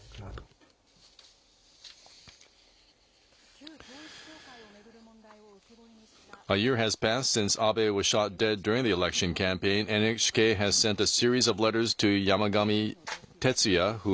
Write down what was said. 旧統一教会を巡る問題を浮き彫りにした銃撃事件。